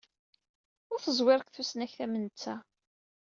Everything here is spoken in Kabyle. Ur teẓwir deg tusnakt am netta.